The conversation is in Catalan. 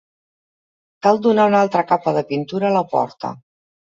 Cal donar una altra capa de pintura a la porta.